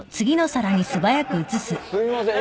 すいません。